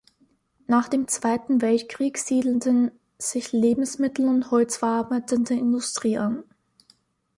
Nach dem Zweiten Weltkrieg siedelten sich Lebensmittel- und holzverarbeitende Industrie an.